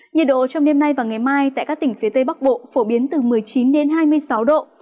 nhiệt độ trong đêm nay và ngày mai tại các tỉnh phía tây bắc bộ phổ biến từ một mươi chín đến hai mươi sáu độ